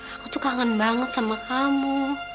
aku tuh kangen banget sama kamu